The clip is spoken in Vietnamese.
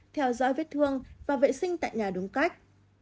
theo dõi vết thương và vệ sinh tại nhà đúng cách